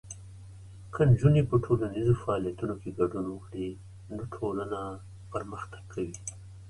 که نجونې په ټولنیزو فعالیتونو کې ګډون وکړي، نو ټولنه پرمختګ کوي.